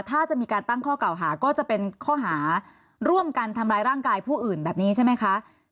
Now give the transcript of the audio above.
ถ้าจะมีการตั้งข้อเก่าหาก็จะเป็นข้อหาร่วมกันทำร้ายร่างกายผู้อื่นแบบนี้ใช่ไหมคะ